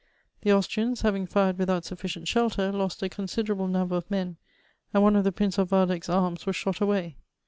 The Austrians, having nred without sufficient shelter, lost a considerable number of men, and oue of the Prince of Waldeck*s arms was shot away.